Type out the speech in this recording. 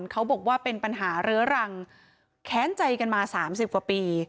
เขาบอกว่าเป็นปัญหาเรื้อรังแค้นใจกันมา๓๐กว่าปี